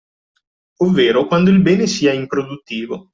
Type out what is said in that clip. Ovvero quando il bene sia improduttivo